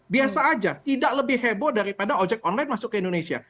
biasa aja tidak lebih heboh daripada ojek online masuk ke indonesia